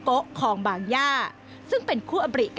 ทำไมเราต้องเป็นแบบเสียเงินอะไรขนาดนี้เวรกรรมอะไรนักหนา